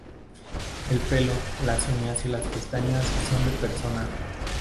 El pelo, las uñas y las pestañas son de persona.